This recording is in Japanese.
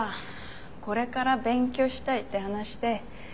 これから勉強したいって話で。